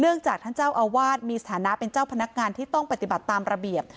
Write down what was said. จากท่านเจ้าอาวาสมีสถานะเป็นเจ้าพนักงานที่ต้องปฏิบัติตามระเบียบ